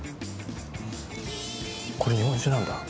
これ日本酒なんだ。